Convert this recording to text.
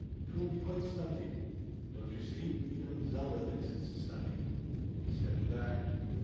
'Twill be quite stunty. Don't you see, even Zelda thinks it stunty?" He stepped back.